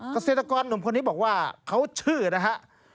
เกษตรกรหนุ่มคนนี้บอกว่าเขาชื่อนะฮะ